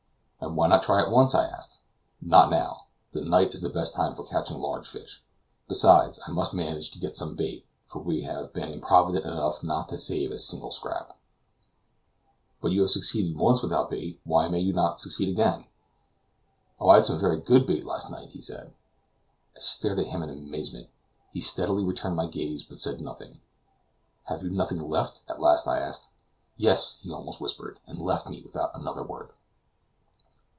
"And why not try at once?" I asked. "Not now," he said evasively; "the night is the best time for catching large fish. Besides, I must manage to get some bait, for we have been improvident enough not to save a single scrap." "But you have succeeded once without bait; why may you not succeed again?" "Oh, I had some very good bait last night," he said. I stared at him in amazement. He steadily returned my gaze, but said nothing. "Have you none left?" at last I asked. "Yes!" he almost whispered, and left me without another word.